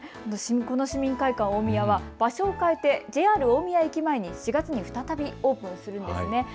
この市民会館おおみやは場所を変えてＪＲ大宮駅前に４月に再びオープンするんですね。